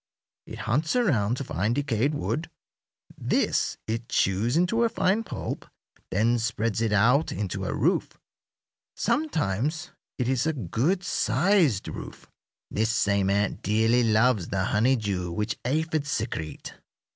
It hunts around to find decayed wood. This it chews into a fine pulp, then spreads it out into a roof; sometimes it is a good sized roof. This same ant dearly loves the honeydew which aphids secrete.